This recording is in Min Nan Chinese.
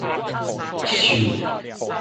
守